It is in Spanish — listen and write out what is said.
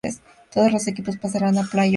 Todos los equipos pasarán a play off.